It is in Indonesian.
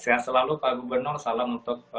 sehat selalu pak gubernur salam untuk